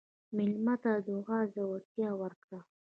مېلمه ته د دعا زړورتیا ورکړه.